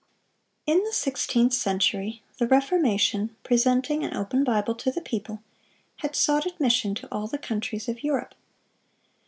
] In the sixteenth century the Reformation, presenting an open Bible to the people, had sought admission to all the countries of Europe.